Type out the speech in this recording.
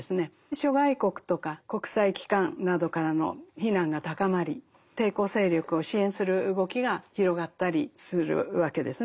諸外国とか国際機関などからの非難が高まり抵抗勢力を支援する動きが広がったりするわけですね。